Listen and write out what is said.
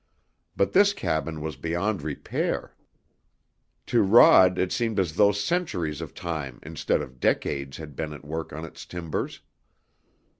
But this cabin was beyond repair. To Rod it seemed as though centuries of time instead of decades had been at work on its timbers.